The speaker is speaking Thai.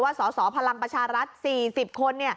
ว่าสอสอพลังประชารัฐ๔๐คน